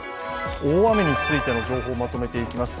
大雨についての情報をまとめていきます。